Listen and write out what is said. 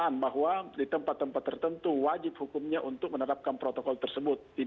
mulai dari langkah biasa mengajak masyarakat supaya mereka sadar dengan sendirinya bisa juga dengan upaya melakukan pemaksaan